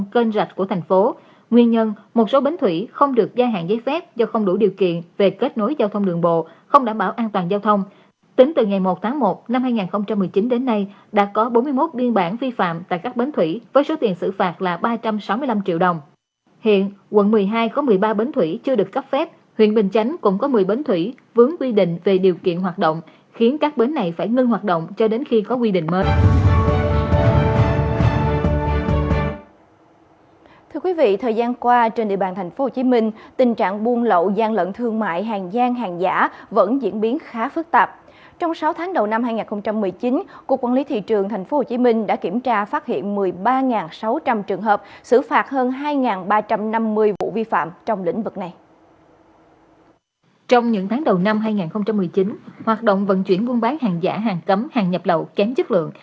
trong những tháng đầu năm hai nghìn một mươi chín hoạt động vận chuyển buôn bán hàng giả hàng cấm hàng nhập lậu kém chất lượng